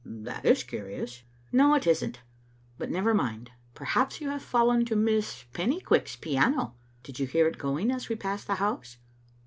"That is curious." "No, it isn't, but never mind. Perhaps you have fallen to Miss Pennycuick's piano? Did you hear it going as we passed the house?"